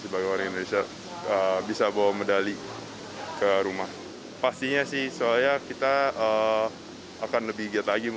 buat bisa latihan lebih bagus lagi